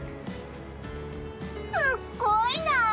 すっごいなー！